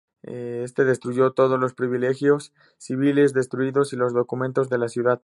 Éste destruyó todos los privilegios civiles destruidos y los documentos de la ciudad.